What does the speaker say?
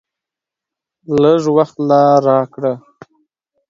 لږ وخت لا راکړه !